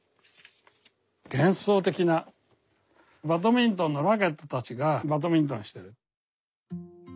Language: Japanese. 幻想的なバドミントンのラケットたちがバドミントンしてる。